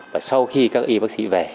và sau khi các y bác sĩ về